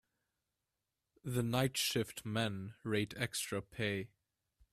The night shift men rate extra pay.